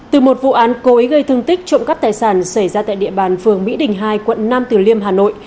từ một vụ án cố ý gây thương tích trộm cắp tài sản xảy ra tại địa bàn phường mỹ đình hai quận nam tử liêm hà nội